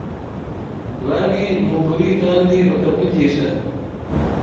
bari mu kuri kandi bakuvugisha